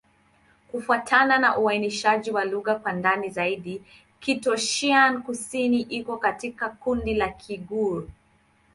Kufuatana na uainishaji wa lugha kwa ndani zaidi, Kitoussian-Kusini iko katika kundi la Kigur.